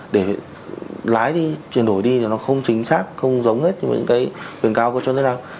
để lái đi truyền đổi đi thì nó không chính xác không giống hết với những cái quyền cao có cho nên là